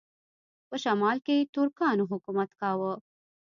په شمال کې ترکانو حکومت کاوه.